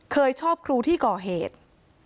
เคยชอบครูที่ก่อเหตุ